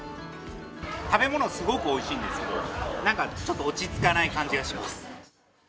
食べ物、すごくおいしいんですけれども、なんかちょっと落ち着かない感じがします。